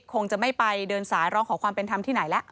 คงจะไม่ไปเดินสายร้องขอความเป็นธรรมที่ไหนแล้ว